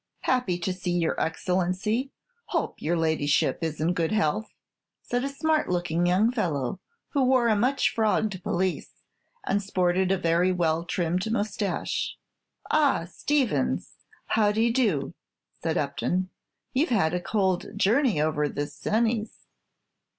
"Happy to see your Excellency; hope your Ladyship is in good health," said a smart looking young fellow, who wore a much frogged pelisse, and sported a very well trimmed moustache. "Ah, Stevins, how d'ye do?" said Upton. "You've had a cold journey over the Cenis."